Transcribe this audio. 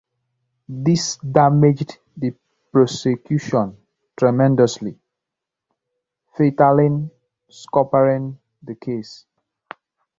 This damaged the prosecution tremendously, fatally scuppering the case.